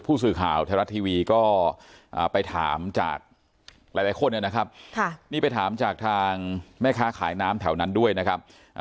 ผู้สื่อข่าวไทยรัฐทีวีก็ไปถามจากหลายคนนะครับนี่ไปถามจากทางแม่ค้าขายน้ำแถวนั้นด้วยนะครับ